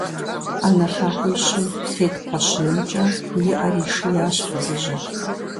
Ӏэнэ лъакъуищым тет кхъуэщынымкӀэ и Ӏэр ишиящ фызыжьым.